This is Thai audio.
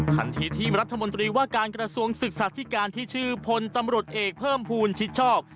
ขันทิพย์ที่กระทำว่าการกระทรวงศึกษาธิการที่ชื่อผนตรรดเอกเพิ่มภูลชิศชอบ